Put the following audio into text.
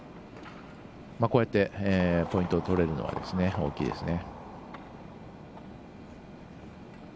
こうやってポイントを取れるのは大きいですね。